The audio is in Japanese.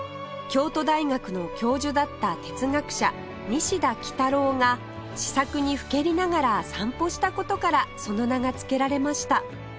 京都大学の教授だった哲学者西田幾多郎が思索にふけりながら散歩した事からその名が付けられました